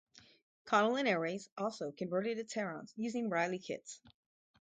Connellan Airways also converted its Herons, using Riley kits.